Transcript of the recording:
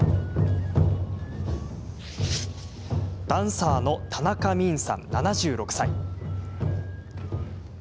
ダンサー田中泯さん、７６歳。